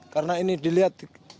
karena ini dilihat